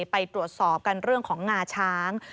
ไปตรวจสอบกันเรื่องของงาช้าง